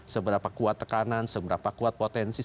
seberapa kuat tekanan seberapa kuat potensi